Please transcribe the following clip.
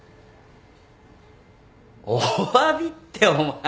おわびってお前。